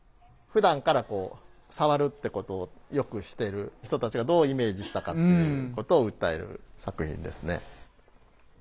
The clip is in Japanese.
ふだんからさわるってことをよくしてる人たちがどうイメージしたかっていうことを訴える作品ですね。